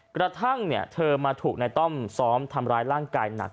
กระทั่งเธอมาถูกนายต้อมซ้อมทำร้ายร่างกายหนัก